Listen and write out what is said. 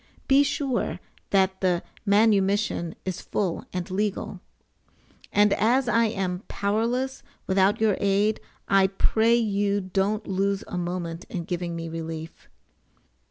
[Be sure that the manumission is full and legal.] And as I am powerless without your aid, I pray you don't lose a moment in giving me relief.